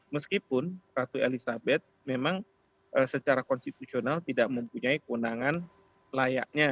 meskipun ratu elizabeth memang secara konstitusional tidak mempunyai kewenangan layaknya